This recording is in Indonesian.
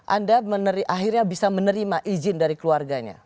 anda akhirnya bisa menerima izin dari keluarganya